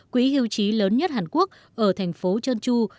quỹ hiệu trí lớn nhất hàn quốc ở thành phố cheonju